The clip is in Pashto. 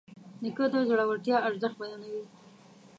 نیکه د زړورتیا ارزښت بیانوي.